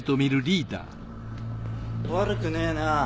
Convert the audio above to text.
悪くねえな。